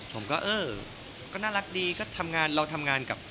ผมก็เออก็น่ารักดีก็ทำงานเราทำงานกับ